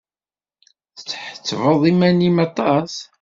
Tḥettbeḍ iman-im aṭas!